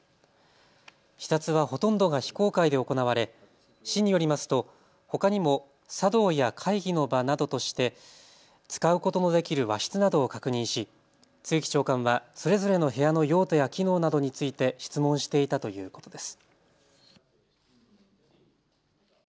視察はほとんどが非公開で行われ市によりますと、ほかにも茶道や会議の場などとして使うことのできる和室などを確認し露木長官はそれぞれの部屋の用途や機能などについて質問していたということです。